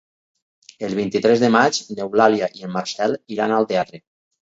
El vint-i-tres de maig n'Eulàlia i en Marcel iran al teatre.